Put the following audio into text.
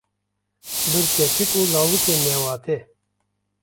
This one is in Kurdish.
Bir keçik û lawikê newatê